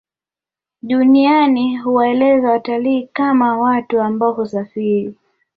Duniani huwaelezea watalii kama watu ambao husafiri